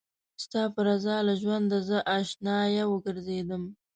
ستا په رضا له ژونده زه اشنايه وګرځېدم